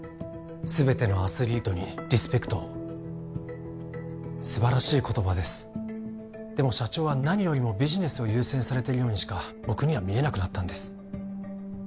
すべてのアスリートにリスペクトを素晴らしい言葉ですでも社長は何よりもビジネスを優先されてるようにしか僕には見えなくなったんです